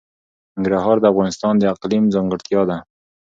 ننګرهار د افغانستان د اقلیم ځانګړتیا ده.